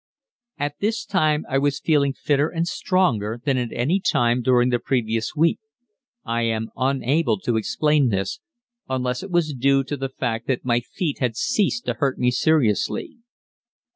At this time I was feeling fitter and stronger than at any time during the previous week. I am unable to explain this, unless it was due to the fact that my feet had quite ceased to hurt me seriously.